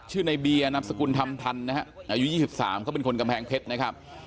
ชื่อนายเบียร์นับสกุลธรรมทันนะครับอายุ๒๓เขาเป็นคนกำแพงเพชรนะครับ